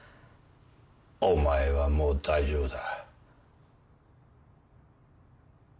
お前はもう大丈夫だ。